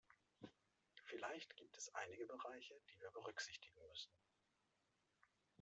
Vielleicht gibt es einige Bereiche, die wir berücksichtigen müssen.